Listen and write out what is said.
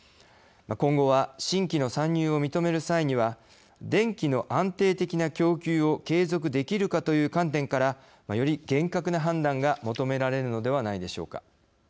今後は新規の参入を認める際には電気の安定的な供給を継続できるかという観点からより厳格な判断が求められるのではないでしょうか。